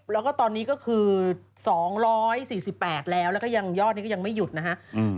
และตอนนี้ก็คือ๒๔๘แล้วและยอดนี้ยังไม่หยุดนะฮะ